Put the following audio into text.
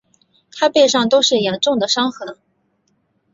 她背上都是严重的伤痕